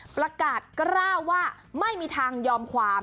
ประกาศกระการไม่มีทางยอมความ